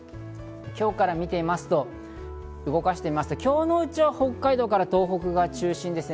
今日から見てみますと、今日のうちは北海道から東北が中心ですね。